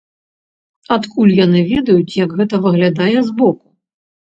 Адкуль яны ведаюць, як гэта выглядае з боку?